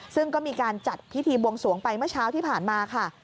ซึ่งก็มีการจัดพิธีบวงสวงไปเมื่อเช้าที่ผ่านมาค่ะ